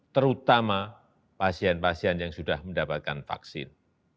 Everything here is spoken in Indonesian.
terutama pasien pasien yang sudah mendapatkan vaksin